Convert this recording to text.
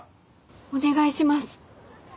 お願いします。